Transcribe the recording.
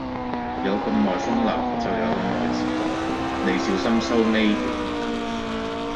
有咁耐風流，就有咁耐折墮，你小心收尾幾年呀！